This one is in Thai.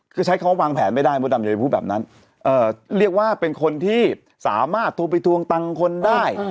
คือใช้เขาวางแผนไม่ได้เพราะตามจะพูดแบบนั้นเอ่อเรียกว่าเป็นคนที่สามารถโทรไปทวงตังค์คนได้